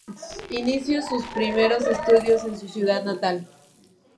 Inició sus primeros estudios en su ciudad natal.